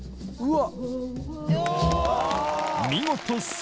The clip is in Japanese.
うわっ！